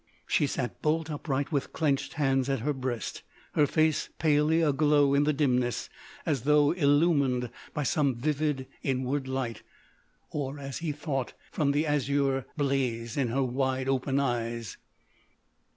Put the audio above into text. She sat bolt upright with clenched hands at her breast, her face palely aglow in the dimness as though illumined by some vivid inward light—or, as he thought—from the azure blaze in her wide open eyes.